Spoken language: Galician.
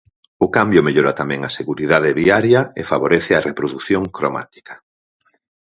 O cambio mellora tamén a seguridade viaria e favorece a reprodución cromática.